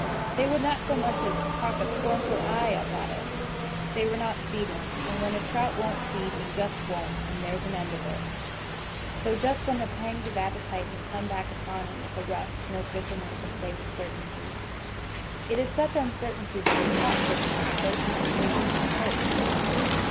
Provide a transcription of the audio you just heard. They would not so much as cock a scornful eye up at it. They were not feeding. And when a trout won't feed he just won't, and there's an end of it. Though just when the pangs of appetite may come back upon him with a rush no fisherman can say with certainty. It is such uncertainty that has taught fishermen the virtues of patience and hope.